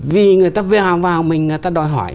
vì người ta vào mình người ta đòi hỏi